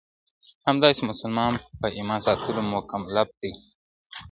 همداسي مسلمان په ايمان ساتلو مکلف دی.